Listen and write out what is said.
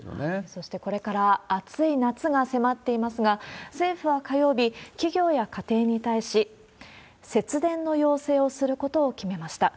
そしてこれから、暑い夏が迫っていますが、政府は火曜日、企業や家庭に対し、節電の要請をすることを決めました。